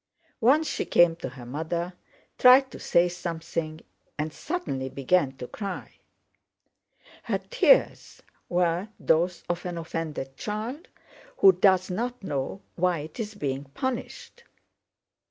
Once she came to her mother, tried to say something, and suddenly began to cry. Her tears were those of an offended child who does not know why it is being punished.